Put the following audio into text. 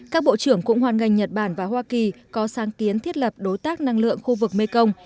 các bộ trưởng cũng hoàn ngành nhật bản và hoa kỳ có sáng kiến thiết lập đối tác năng lượng khu vực mekong